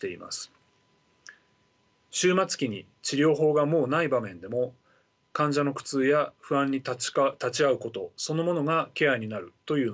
終末期に治療法がもうない場面でも患者の苦痛や不安に立ち会うことそのものがケアになるというのです。